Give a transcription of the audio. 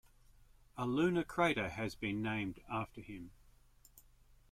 A lunar crater has been named after him.